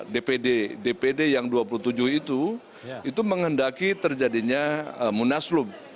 dpd dpd yang dua puluh tujuh itu itu menghendaki terjadinya munaslub